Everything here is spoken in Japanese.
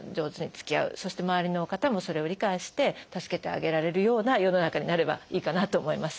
そして周りの方もそれを理解して助けてあげられるような世の中になればいいかなと思います。